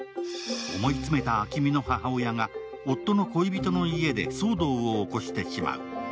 思い詰めた暁海の母親が夫の恋人の家で騒動を起こしてしまう。